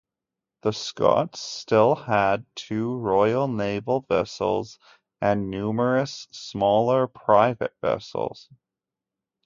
The Scots still had two royal naval vessels and numerous smaller private vessels.